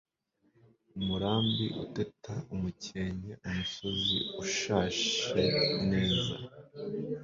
umurambi uteta umukenke umusozi ushashe neza